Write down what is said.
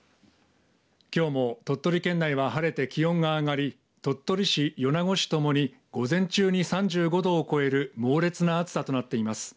きょうも鳥取県内は晴れて気温が上がり鳥取市、米子市ともに午前中に３５度を超える猛烈な暑さとなっています。